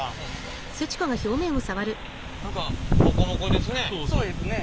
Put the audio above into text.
何かボコボコですね。